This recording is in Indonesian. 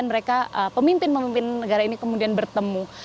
mereka pemimpin pemimpin negara ini kemudian bertemu